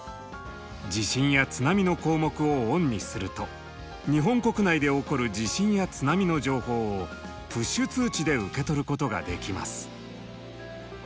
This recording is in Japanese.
「地震」や「津波」の項目をオンにすると日本国内で起こる地震や津波の情報をプッシュ通知で受け取ることができます。